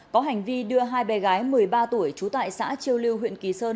có hành vi đưa hai bé gái một mươi ba tuổi trú tại xã chiêu lưu huyện kỳ sơn